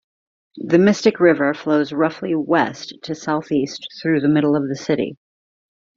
The Mystic River flows roughly west to southeast through the middle of the city.